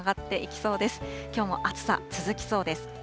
きょうも暑さ続きそうです。